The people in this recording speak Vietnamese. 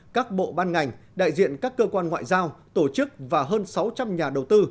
các bộ ban ngành đại diện các cơ quan ngoại giao tổ chức và hơn sáu trăm linh nhà đầu tư